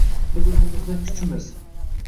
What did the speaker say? Biz o'zimizda kuchmiz